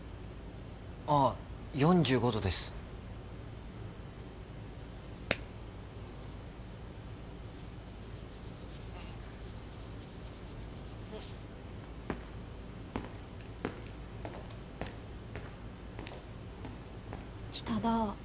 あっ４５度です北田